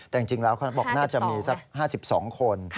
แต่จริงแล้วเขาบอกน่าจะมีสัก๕๒คน